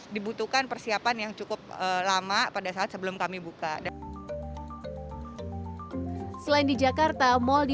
dibutuhkan persiapan yang cukup lama pada saat sebelum kami buka dan selain di jakarta mal di